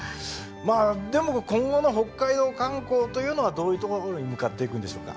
まあでも今後の北海道観光というのはどういうところに向かっていくんでしょうか？